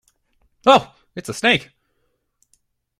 Oh, it's a snake!